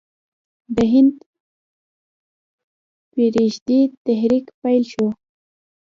د هند پریږدئ تحریک پیل شو.